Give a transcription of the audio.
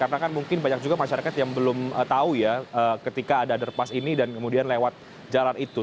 karena kan mungkin banyak juga masyarakat yang belum tahu ya ketika ada underpass ini dan kemudian lewat jalan itu